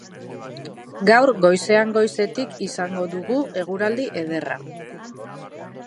Gaur goizean goizetik izango dugu eguraldi ederra.